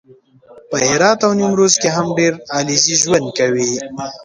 په هرات او نیمروز کې هم ډېر علیزي ژوند کوي